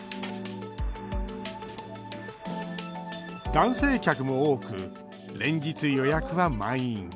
男性客も多く、連日予約は満員。